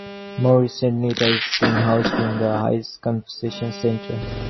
More recently it has been housed in the Hynes Convention Center.